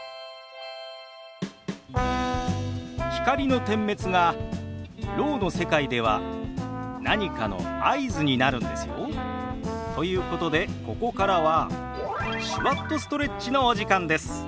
光の点滅がろうの世界では何かの合図になるんですよ。ということでここからは「手話っとストレッチ」のお時間です。